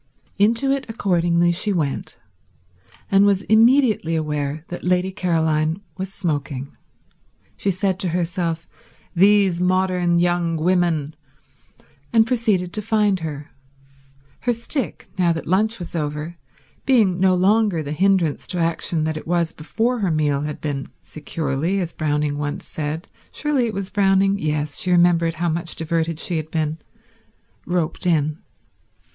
Into it accordingly she went, and was immediately aware that Lady Caroline was smoking. She said to herself, "These modern young women," and proceeded to find her; her stick, now that lunch was over, being no longer the hindrance to action that it was before her meal had been securely, as Browning once said—surely it was Browning? Yes, she remembered how much diverted she had been—roped in.